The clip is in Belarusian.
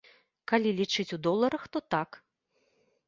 Калі лічыць у доларах, то так.